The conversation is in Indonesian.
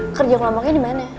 emang kerja kelompoknya dimana